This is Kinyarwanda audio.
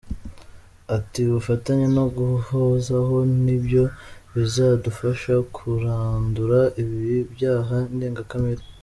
Ati "Ubufatanye no guhozaho ni byo bizadufasha kurandura ibi byaha ndengakamere".